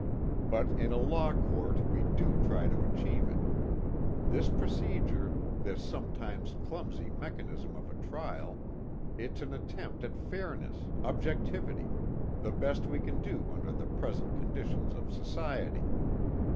But in a law court we do try to achieve it. This procedure, this sometimes clumsy mechanism of a trial it's an attempt at fairness, objectivity, the best we can do under the present conditions of society.